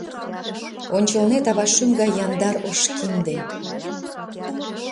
Ончылнет ава шӱм гай яндар ош кинде.